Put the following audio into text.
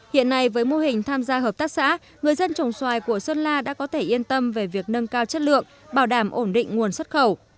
hiện nay với mô hình tham gia hợp tác xã người dân trồng xoài của sơn la đã có thể yên tâm về việc nâng cao chất lượng bảo đảm ổn định nguồn xuất khẩu